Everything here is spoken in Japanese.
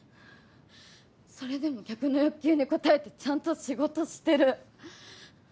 それでも客の欲求に応えてちゃんと仕事してる。